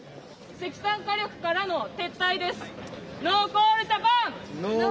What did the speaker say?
石炭火力からの撤退です。